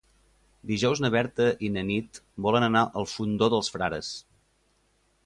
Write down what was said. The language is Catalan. Dijous na Berta i na Nit volen anar al Fondó dels Frares.